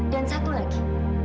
dan satu lagi